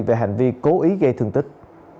về hành vi cố ý gây thương tích